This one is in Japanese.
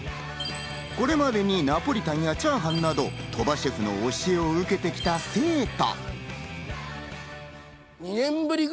これまでにナポリタンやチャーハンなど、鳥羽シェフの教えを受けてきた生徒。